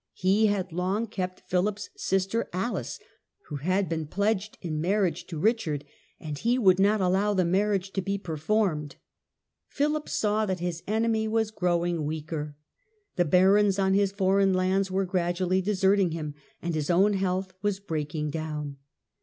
He had long kept Philip's sister Alice, who had been pledged in marriage to Richard, and he would not allow the marriage to be performed. Philip saw that his enemy was growing weaker. The barons on his foreign lands were gradually deserting him, and his own health was breaking down.